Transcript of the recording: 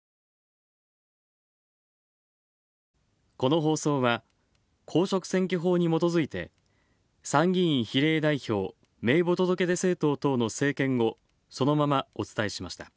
この放送は、公職選挙法にもとづいて参議院比例代表名簿届出政党等の政見をそのままお伝えしました。